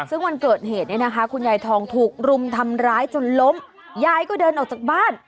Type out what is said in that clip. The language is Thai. ซึ่งวันเกิดเหตุเนี่ยนะคะคุณยายทองถูกรุมทำร้ายจนล้มยายก็เดินออกจากบ้าน